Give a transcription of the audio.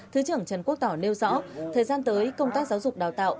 thứ trưởng trần quốc tỏ nêu rõ thời gian tới công tác giáo dục đào tạo